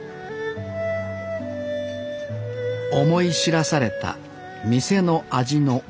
思い知らされた店の味の重み。